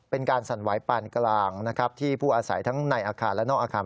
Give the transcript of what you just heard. ๔๔๙เป็นการสั่นไหวปานกลางที่ผู้อาศัยทั้งในอาคารและนอกอาคาร